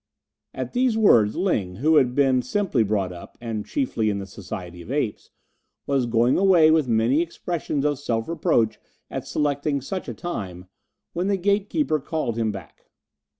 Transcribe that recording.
At these words, Ling, who had been simply brought up, and chiefly in the society of apes, was going away with many expressions of self reproach at selecting such a time, when the gate keeper called him back.